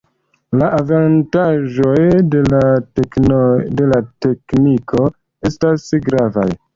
La avantaĝoj de la tekniko estas gravaj.